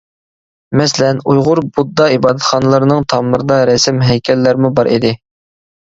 مەسىلەن، ئۇيغۇر بۇددا ئىبادەتخانىلىرىنىڭ تاملىرىدا رەسىم، ھەيكەللەرمۇ بار ئىدى.